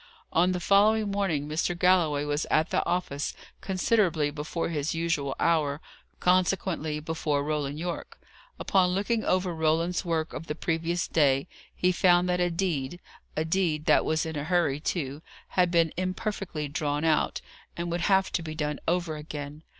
On the following morning Mr. Galloway was at the office considerably before his usual hour; consequently, before Roland Yorke. Upon looking over Roland's work of the previous day, he found that a deed a deed that was in a hurry, too had been imperfectly drawn out, and would have to be done over again.